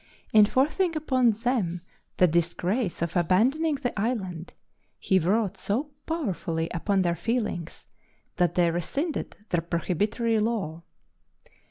Enforcing upon them the disgrace of abandoning the island, he wrought so powerfully upon their feelings that they rescinded the prohibitory law.